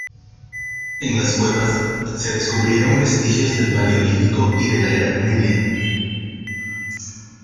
En las cuevas, se descubrieron vestigios del paleolítico y de la Edad Media.